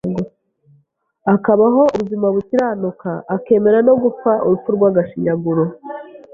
akabaho ubuzima bukiranuka akemera no gupfa urupfu rw’agashinyaguro